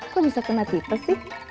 kok bisa kena tipe sih